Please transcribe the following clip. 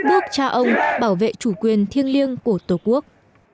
bảo vệ chủ quyền thiêng liêng của tổ quốc